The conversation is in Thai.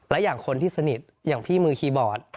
และอย่างคนที่สนิทอย่างพี่มือคีย์บอร์ด